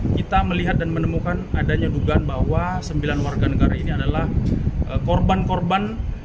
kita melihat dan menemukan adanya dugaan bahwa sembilan warga negara ini adalah korban korban